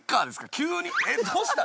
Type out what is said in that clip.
急に？